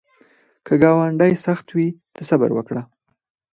که ګاونډی سخت وي، ته صبر وکړه